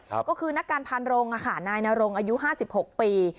ครับก็คือนักการพันธ์โรงอะค่ะนายนโรงอายุห้าสิบหกปี